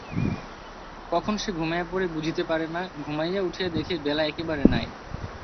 কখন সে ঘুমাইয়া পড়ে বুঝিতে পারে না, ঘুমাইয়া উঠিয়া দেখে বেলা একেবারে নাই।